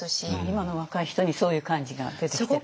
今の若い人にそういう感じが出てきてるんですか。